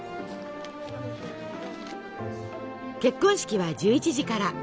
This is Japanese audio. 結婚式は１１時から。